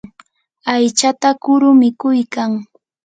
aychata kuru mikuykan.